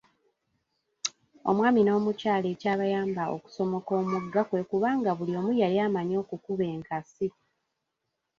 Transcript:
Omwami n’omukyala ekyabayamba okusomoka omugga kwe kuba nga buli omu yali amanyi okukuba enkasi.